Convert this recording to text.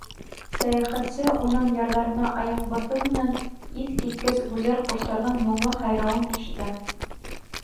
Сәйәхәтсе уның ярҙарына аяҡ баҫыу менән иҫ киткес гүзәл ҡоштарҙың моңло һайрауын ишетә.